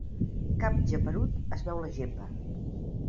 Cap geperut es veu la gepa.